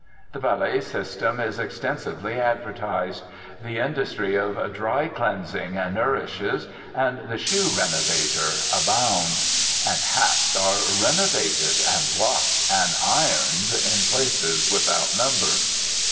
The "valet system" is extensively advertised. The industry of "dry cleansing" nourishes, and the "shoe renovator" abounds. And hats are "renovated," and "blocked," and "ironed," in places without number.